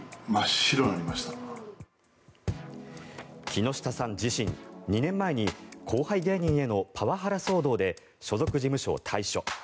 木下さん自身２年前に後輩芸人へのパワハラ騒動で所属事務所を退所。